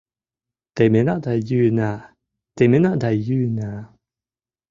Темена да йӱына, темена да йӱына